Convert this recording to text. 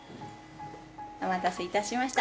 お待たせいたしました。